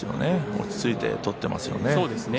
落ち着いて取っています。